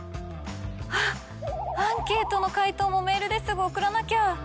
あっアンケートの回答もメールですぐ送らなきゃ！